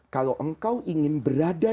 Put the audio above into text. kalau engkau ingin berada